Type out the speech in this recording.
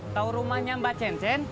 tau rumahnya mbak cen cen